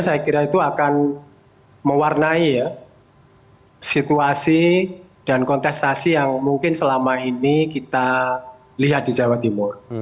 saya kira itu akan mewarnai ya situasi dan kontestasi yang mungkin selama ini kita lihat di jawa timur